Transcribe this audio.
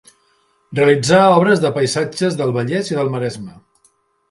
Realitzà obres de paisatges del Vallès i el Maresme.